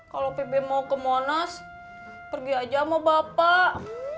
kalau pb mau ke monas pergi aja sama bapak